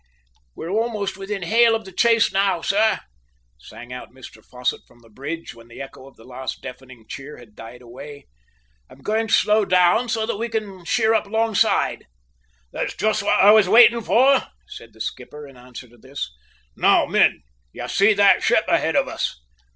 "We're almost within hail now of the chase, sir," sang out Mr Fosset from the bridge when the echo of the last deafening cheer had died away; "I'm going to slow down, so that we can sheer up alongside." "That's just what I was waiting for," said the skipper in answer to this. "Now, men, you see that ship ahead of us?"